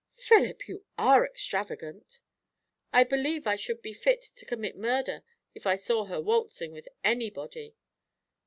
"Philip! You are extravagant." "I believe I should be fit to commit murder if I saw her waltzing with anybody."